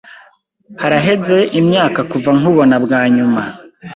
Haraheze imyaka kuva nkubona bwa nyuma.